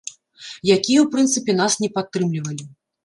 Якія, у прынцыпе, нас не падтрымлівалі.